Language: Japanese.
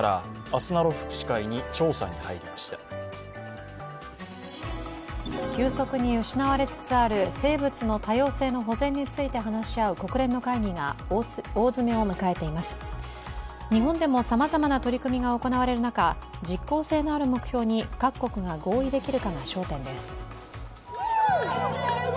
日本でもさまざまな取り組みが行われる中、実効性のある目標に各国が合意できるかが焦点です。